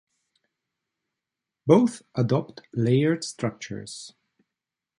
Both adopt layered structures.